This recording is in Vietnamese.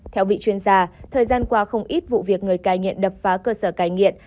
theo vị chuyên gia thời gian qua không ít vụ việc người cai nghiện đập phá cơ sở cai nghiện